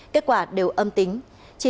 kết quả đều âm tính